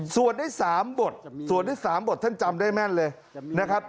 ได้๓บทสวดได้๓บทท่านจำได้แม่นเลยนะครับ